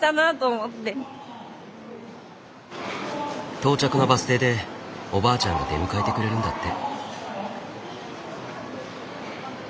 到着のバス停でおばあちゃんが出迎えてくれるんだって。